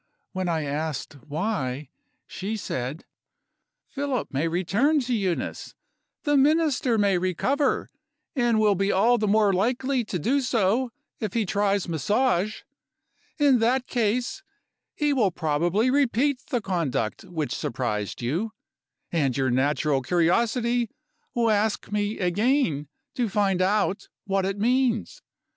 When I asked why, she said: 'Philip may return to Euneece; the Minister may recover and will be all the more likely to do so if he tries Massage. In that case, he will probably repeat the conduct which surprised you; and your natural curiosity will ask me again to find out what it means.